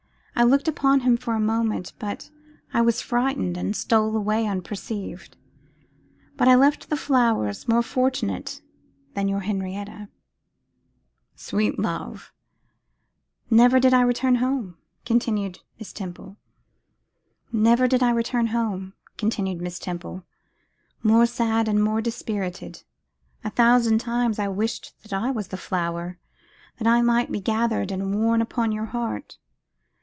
I looked upon him for a moment, but I was frightened and stole away unperceived. But I left the flowers, more fortunate than your Henrietta.' 'Sweet love!' 'Never did I return home,' continued Miss Temple, 'more sad and more dispirited. A thousand times I wished that I was a flower, that I might be gathered and worn upon your heart.